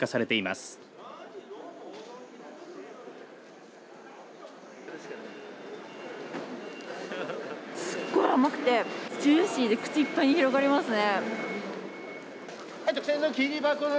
すっごい甘くてジューシーで口いっぱいに広がりますね。